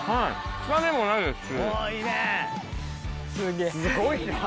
臭みもないですし。